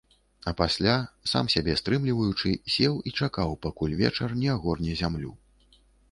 А пасля, сам сябе стрымліваючы, сеў і чакаў, пакуль вечар не агорне зямлю.